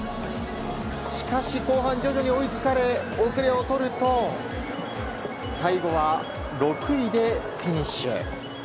しかし、後半徐々に追いつかれ後れを取ると最後は６位でフィニッシュ。